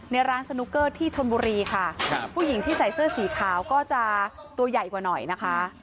ร้านสนุกเกอร์ที่ชนบุรีค่ะครับผู้หญิงที่ใส่เสื้อสีขาวก็จะตัวใหญ่กว่าหน่อยนะคะ